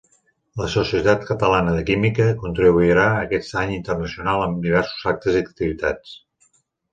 La Societat Catalana de Química contribuirà a aquest Any Internacional amb diversos actes i activitats.